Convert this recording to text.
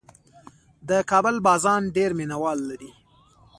د کابل بازان ډېر مینه وال لري.